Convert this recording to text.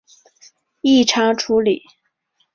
异常处理